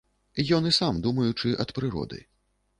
Ён і сам думаючы ад прыроды.